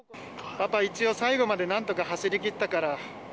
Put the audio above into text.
パパ、一応、最後までなんとか走りきったから。